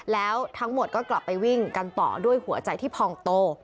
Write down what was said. แล้วทั้งหมดก็กลับไปวิ่งกันต่อด้วยหัวใจที่พองโต